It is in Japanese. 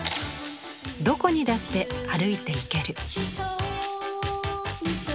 どこにだって歩いて行ける。